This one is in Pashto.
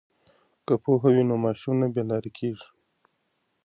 که پوهه وي نو ماشوم نه بې لارې کیږي.